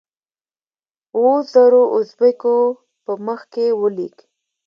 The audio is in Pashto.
اوو زرو اوزبیکو په مخ کې ولیک.